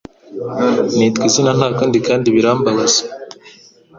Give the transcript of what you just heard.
Nitwa Izina ntakunda kandi birambabaza